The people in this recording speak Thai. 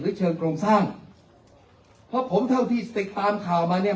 เชิงโครงสร้างเพราะผมเท่าที่ติดตามข่าวมาเนี่ย